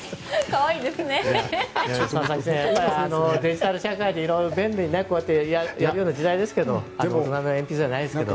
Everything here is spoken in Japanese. やっぱりデジタル社会で色々便利にやるような時代ですけど大人の鉛筆じゃないですけど。